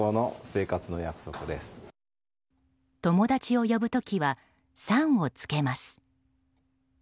友達を呼ぶ時はさんをつけます。